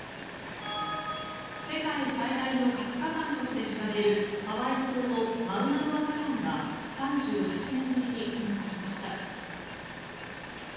世界最大の活火山として知られるハワイ島のマウナロア火山が３８年ぶりに噴火しました。